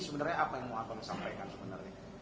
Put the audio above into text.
sebenarnya apa yang mau abang sampaikan sebenarnya